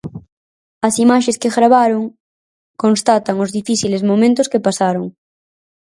As imaxes que gravaron constatan os difíciles momentos que pasaron.